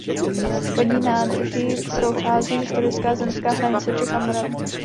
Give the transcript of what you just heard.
Vodní nádrží prochází historická zemská hranice Čech a Moravy.